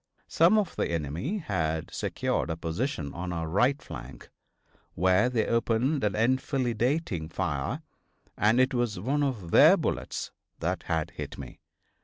Some of the enemy had secured a position on our right flank, where they opened an enfilading fire, and it was one of their bullets that had hit me.